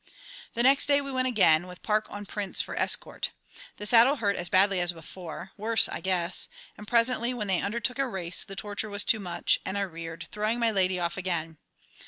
The next day we went again, with Park on Prince for escort. The saddle hurt as badly as before worse, I guess and presently, when they undertook a race, the torture was too much, and I reared, throwing my lady off again.